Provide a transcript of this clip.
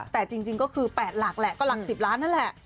แต่จริงก็คือ๘หลักแหละก็หลัก๑๐ล้านนั่นแหละ